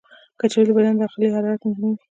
کچالو د بدن داخلي حرارت تنظیموي.